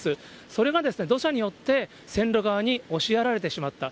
それが土砂によって線路側に押しやられてしまった。